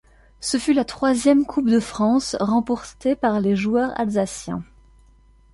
Ce fut la troisième Coupe de France remportée par les joueurs alsaciens.